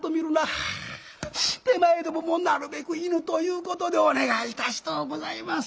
「は手前どももなるべく犬ということでお願いいたしとうございます」。